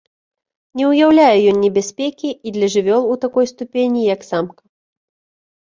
Не ўяўляе ён небяспекі і для жывёл у такой ступені, як самка.